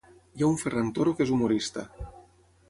Hi ha un Ferran Toro que és humorista.